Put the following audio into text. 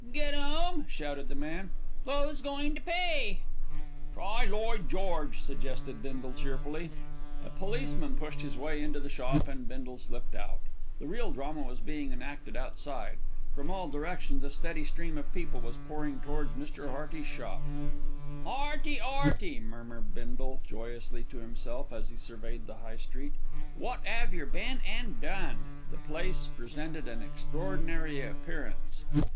"Get 'ome!" shouted the man. "'Oo's goin' to pay?" "Try Lloyd George!" suggested Bindle cheerfully. A policeman pushed his way into the shop and Bindle slipped out. The real drama was being enacted outside. From all directions a steady stream of people was pouring towards Mr. Hearty's shop. "'Earty, 'Earty," murmured Bindle joyously to himself, as he surveyed the High Street, "wot 'ave yer been an' done?" The place presented an extraordinary appearance.